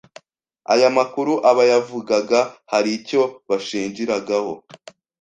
Aya makuru abayavugaga haricyo bashingiragaho